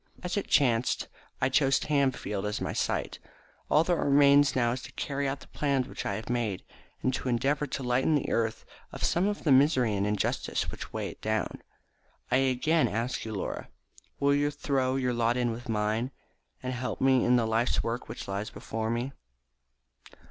As it chanced, I chose Tamfield as my site. All that remains now is to carry out the plans which I have made, and to endeavour to lighten the earth of some of the misery and injustice which weigh it down. I again ask you, Laura, will you throw in your lot with mine, and help me in the life's work which lies before me?"